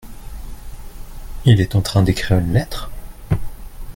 Il est en train d'écrire une lettre ?